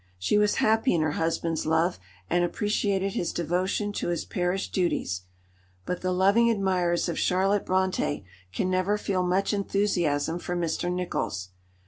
She was happy in her husband's love, and appreciated his devotion to his parish duties. But the loving admirers of Charlotte Brontë can never feel much enthusiasm for Mr. Nicholls.